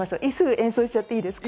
演奏しちゃっていいですか？